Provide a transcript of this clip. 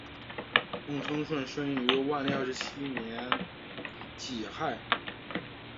孟称舜生于万历二十七年己亥。